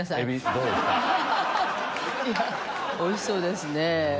おいしそうですね。